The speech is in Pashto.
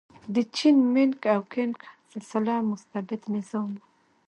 د چین د مینګ او کینګ سلسله مستبد نظام و.